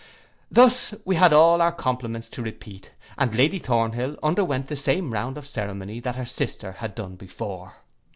Thus we had all our compliments to repeat, and Lady Thornhill underwent the same round of ceremony that her sister had done before.